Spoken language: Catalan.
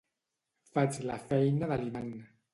Faig la feina de l'imant.